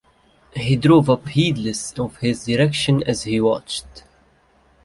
He drove up heedless of his direction as he watched.